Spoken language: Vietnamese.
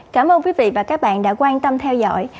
cảm ơn quý vị và các bạn đã quan tâm theo dõi